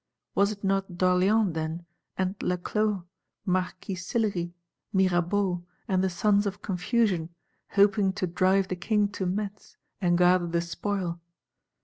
Was it not d'Orléans then, and Laclos, Marquis Sillery, Mirabeau and the sons of confusion, hoping to drive the King to Metz, and gather the spoil?